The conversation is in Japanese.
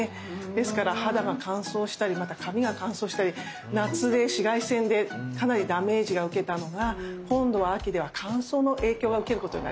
ですから肌が乾燥したりまた髪が乾燥したり夏で紫外線でかなりダメージ受けたのが今度は秋では乾燥の影響を受けることになります。